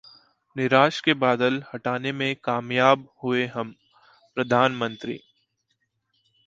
निराशा के बादल हटाने में कामयाब हुए हमः प्रधानमंत्री